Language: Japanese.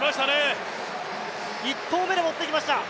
１投目で持ってきました。